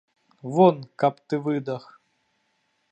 Вон, каб ты выдах!